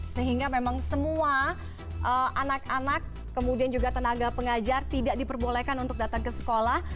sehingga memang semua anak anak kemudian juga tenaga pengajar tidak diperbolehkan untuk datang ke sekolah